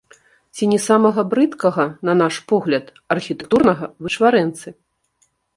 Ці не самага брыдкага, на наш погляд, архітэктурнага вычварэнцы.